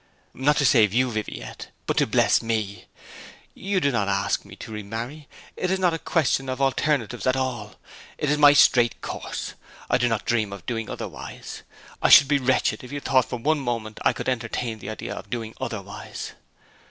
'Not to save you, Viviette, but to bless me. You do not ask me to re marry; it is not a question of alternatives at all; it is my straight course. I do not dream of doing otherwise. I should be wretched if you thought for one moment I could entertain the idea of doing otherwise.'